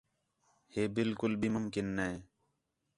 ہے بالکل بھی ممکن نے